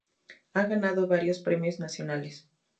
Ha ganado varios premios nacionales.